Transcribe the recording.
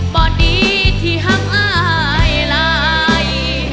บ่ดีที่หักอายหลาย